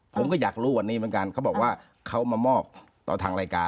ผมก็อยากรู้วันนี้เหมือนกันเขาบอกว่าเขามามอบต่อทางรายการ